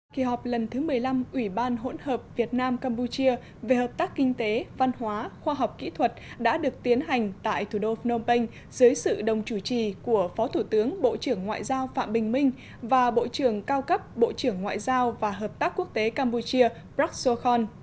kỳ họp lần thứ một mươi năm ủy ban hỗn hợp việt nam campuchia về hợp tác kinh tế văn hóa khoa học kỹ thuật đã được tiến hành tại thủ đô phnom penh dưới sự đồng chủ trì của phó thủ tướng bộ trưởng ngoại giao phạm bình minh và bộ trưởng cao cấp bộ trưởng ngoại giao và hợp tác quốc tế campuchia prasokhon